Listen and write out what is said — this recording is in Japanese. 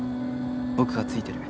僕がついてる。